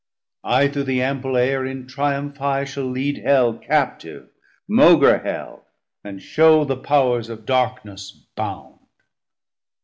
I through the ample Air in Triumph high Shall lead Hell Captive maugre Hell, and show The powers of darkness bound.